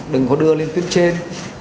đừng có đưa lên tuyến trên